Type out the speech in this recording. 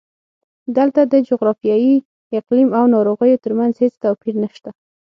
دلته د جغرافیې، اقلیم او ناروغیو ترمنځ هېڅ توپیر نشته.